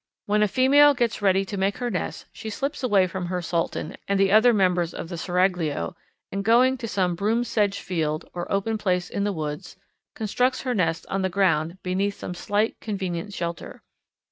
When a female gets ready to make her nest she slips away from her sultan and the other members of the seraglio and, going to some broom sedge field or open place in the woods, constructs her nest on the ground beneath some slight, convenient shelter.